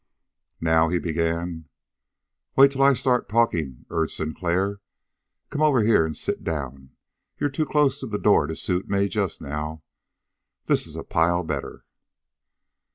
"Now," he began. "Wait till I start talking," urged Sinclair. "Come over here and sit down. You're too close to the door to suit me, just now. This is a pile better."